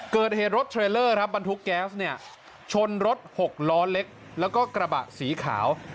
เกิดเหตุรถเทรลเลอร์ครับบรรทุกแก๊สเนี่ยชนรถหกล้อเล็กแล้วก็กระบะสีขาว